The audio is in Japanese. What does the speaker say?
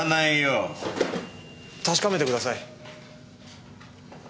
確かめてください。